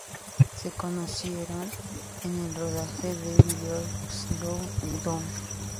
Se conocieron en el rodaje del vídeo "Slow Down".